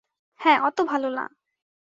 হ্যাঁ, অত ভালো না।